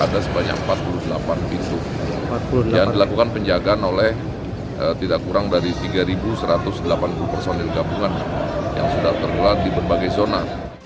ada sebanyak empat puluh delapan pintu yang dilakukan penjagaan oleh tidak kurang dari tiga satu ratus delapan puluh personil gabungan yang sudah tergular di berbagai zona